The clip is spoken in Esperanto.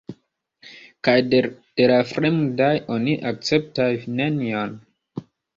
Kaj de la fremdaj oni akceptas nenion?